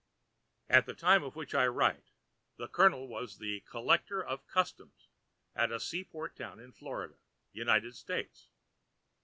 At the time of which I write, the Colonel was the Collector of Customs at a sea port town in Florida, United States.